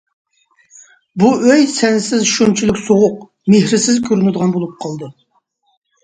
بۇ ئۆي سەنسىز شۇنچىلىك سوغۇق، مېھىرسىز كۆرۈنىدىغان بولۇپ قالدى.